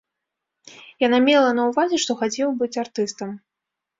Яна мела на ўвазе, што хацеў быць артыстам.